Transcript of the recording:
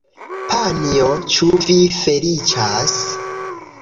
Panjo, ĉu vi feliĉas?